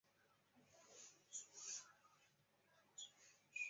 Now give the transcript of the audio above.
这座核电站垄断春田市的能源来源。